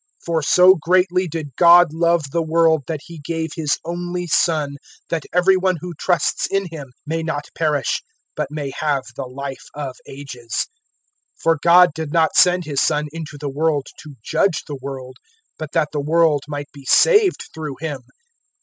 003:016 For so greatly did God love the world that He gave His only Son, that every one who trusts in Him may not perish but may have the Life of Ages. 003:017 For God did not send His Son into the world to judge the world, but that the world might be saved through Him.